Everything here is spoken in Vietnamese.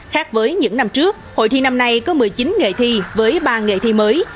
khác với những năm trước hội thi năm nay có một mươi chín nghề thi với ba nghề thi mới